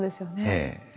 ええ。